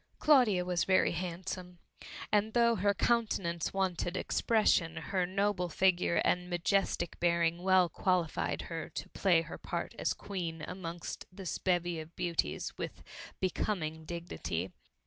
Claudia was very handsome, and though her countenance wanted expression, her noble figure and majestic bearing well qualified her to play her part as Queen amongst this bevy of beauties, with becoming dignity.